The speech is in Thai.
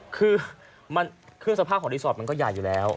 คือเครื่องสภาพของรีสอร์ทมันก็ใหญ่อยู่แล้ว